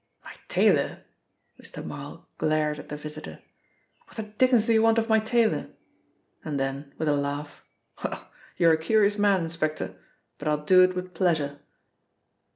"My tailor?" Mr. Marl glared at the visitor. "What the dickens do you want of my tailor?" And then, with a laugh, "Well, you are a curious man, inspector; but I'll do it with pleasure."